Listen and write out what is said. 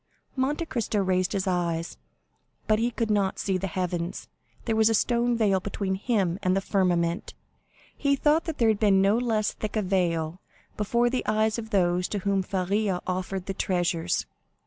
Monte Cristo raised his eyes, but he could not see the heavens; there was a stone veil between him and the firmament. He thought that there had been no less thick a veil before the eyes of those to whom Faria offered the treasures.